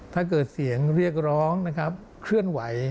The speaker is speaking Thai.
ถ้าเกิดเสียงเรียกร้องนะครับเคลื่อนไหว